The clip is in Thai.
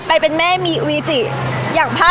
พี่ตอบได้แค่นี้จริงค่ะ